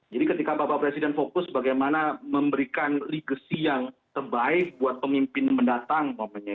jadi ketika bapak presiden fokus bagaimana memberikan legasi yang terbaik buat pemimpin mendatang